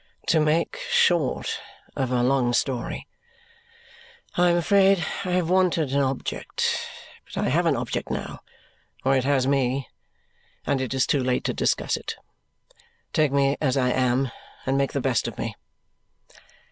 To make short of a long story, I am afraid I have wanted an object; but I have an object now or it has me and it is too late to discuss it. Take me as I am, and make the best of me."